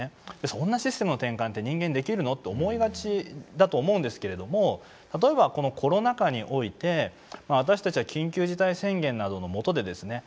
そんなシステムの転換って人間にできるの？って思いがちだと思うんですけれども例えばこのコロナ禍において私たちは緊急事態宣言などの下でですね